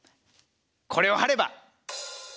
これを貼れば！